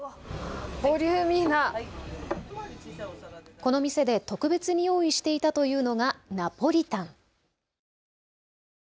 この店で特別に用意していたというのがナポリタン。